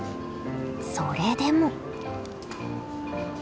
それでも。